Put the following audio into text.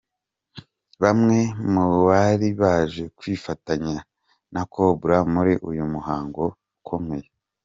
Bamwe mu bari baje kwifatanya na Cobra muri uyu muhango ukomeye.